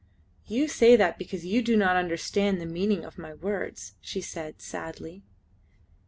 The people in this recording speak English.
"You say that because you do not understand the meaning of my words," she said sadly.